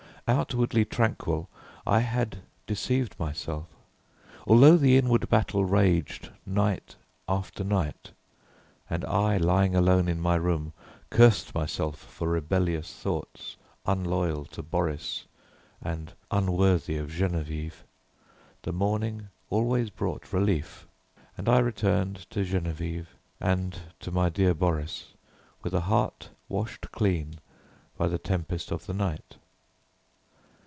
Outwardly tranquil, I had deceived myself. Although the inward battle raged night after night, and I, lying alone in my room, cursed myself for rebellious thoughts unloyal to Boris and unworthy of Geneviève, the morning always brought relief, and I returned to Geneviève and to my dear Boris with a heart washed clean by the tempests of the night.